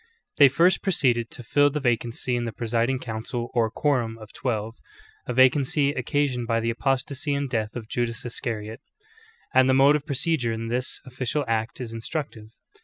They first proceeded to fill the vacancy in the presiding council or "quorum" of twelve, a vacancy occasioned by the apostasy and death of Judas Iscariot : and the mode of procedure in this official act is instructive.